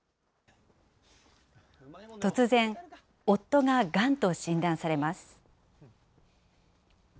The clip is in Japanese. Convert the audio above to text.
突然、夫ががんと診断されます。